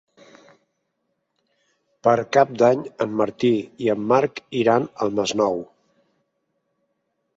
Per Cap d'Any en Martí i en Marc iran al Masnou.